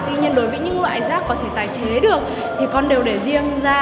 tuy nhiên đối với những loại rác có thể tái chế được thì con đều để riêng ra